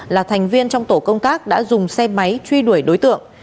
là thành viên trong tổ công tác đã dùng xe máy truy đuổi đối tượng